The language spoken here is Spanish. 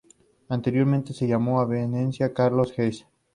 Anteriormente se llamó Avenida Carlos Haes.